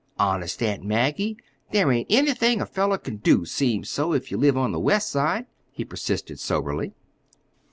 Honest, Aunt Maggie, there ain't anything a feller can do, 'seems so, if ye live on the West Side," he persisted soberly.